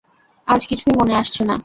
আজ কিছুই মনে আসছে না।